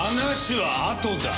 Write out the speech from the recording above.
話はあとだ！